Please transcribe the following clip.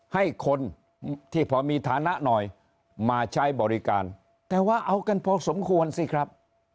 ให้คนที่พอมีฐานะหน่อยมาใช้บริการแต่ว่าเอากันพอสมควรสิครับ